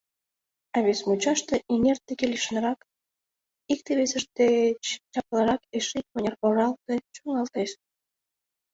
А вес мучаште, эҥер деке лишкырак, икте весыж деч чаплырак эше икмыняр оралте чоҥалтеш.